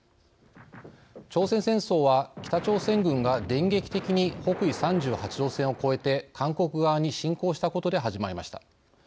朝鮮戦争は、北朝鮮軍が電撃的に北緯３８度線を越えて韓国側に侵攻したことで始まりました。